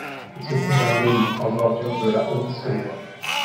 Il se trouve en Gaume, en bordure de la Haute-Semois.